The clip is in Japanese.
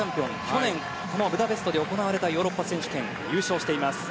去年、ブダペストで行われたヨーロッパ選手権を優勝しました。